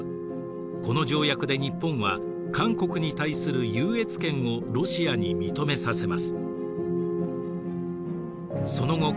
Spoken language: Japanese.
この条約で日本は韓国に対する優越権をロシアに認めさせます。